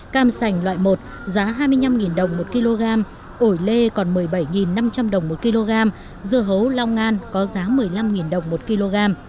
cam sành loại một giá hai mươi năm đồng một kg ổi lê còn một mươi bảy năm trăm linh đồng một kg dưa hấu long an có giá một mươi năm đồng một kg